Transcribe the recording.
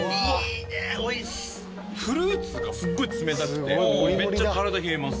フルーツがすごい冷たくてめっちゃ体冷えます。